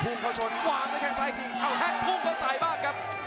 พุ่งเขาชนวางด้วยแกร่งทรายเอาแฮกพุ่งเขาทรายบ้างครับ